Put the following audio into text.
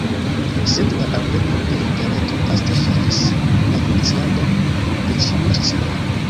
Sed la alveno de interreto draste ŝanĝis la funkciadon de ĉiuj asocioj.